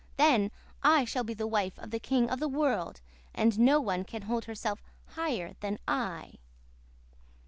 Then I shall be the wife of the king of the world and no one can hold herself higher than I.